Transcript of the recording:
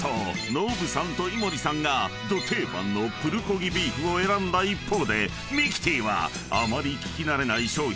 ノブさんと井森さんがど定番のプルコギビーフを選んだ一方でミキティはあまり聞き慣れない商品を選択］